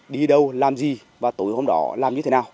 đi đâu làm gì và tối hôm đó làm như thế nào